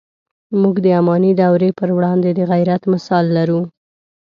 موږ د اماني دورې پر وړاندې د غیرت مثال لرو.